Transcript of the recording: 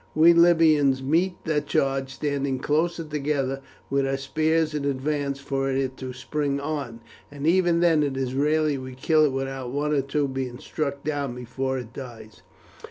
We Libyans meet the charge standing closely together, with our spears in advance for it to spring on, and even then it is rarely we kill it without one or two being struck down before it dies.